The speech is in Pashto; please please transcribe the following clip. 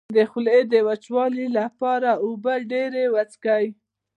د خولې د وچوالي لپاره اوبه ډیرې وڅښئ